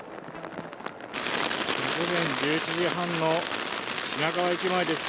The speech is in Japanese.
午前１１時半の品川駅前です。